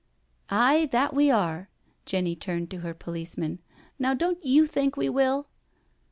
"Aye, that we are." Jenny turned to her police man* " Now don't yoa think we will?"